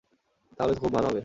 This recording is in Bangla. তাহলে তো খুব ভালো হবে।